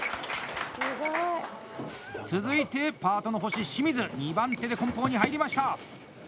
続いてパートの星・清水２番手で梱包に入りました！